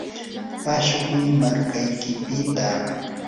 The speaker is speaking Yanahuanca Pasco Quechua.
ashukuy markaykipita.